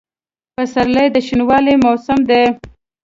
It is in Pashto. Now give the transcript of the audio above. پسرلی د شنوالي موسم دی.